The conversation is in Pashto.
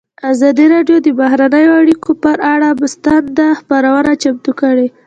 ازادي راډیو د بهرنۍ اړیکې پر اړه مستند خپرونه چمتو کړې.